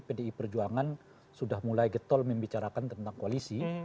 pdi perjuangan sudah mulai getol membicarakan tentang koalisi